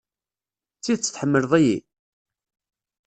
D tidet tḥemmleḍ-iyi?